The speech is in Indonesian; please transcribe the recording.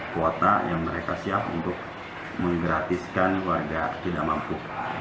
delapan ratus sembilan kuota yang mereka siap untuk menggratiskan warga tidak mampu